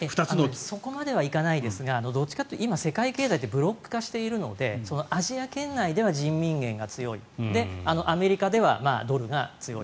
そこまでじゃないですがどちらかというと今、世界経済ってブロック化しているのでアジア圏内では人民元が強いアメリカではドルが強い。